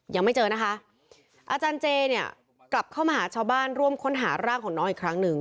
ยังไม่เจอนะคะอาจารย์เจเนี่ยกลับเข้ามาหาชาวบ้านร่วมค้นหาร่างของน้องอีกครั้งหนึ่ง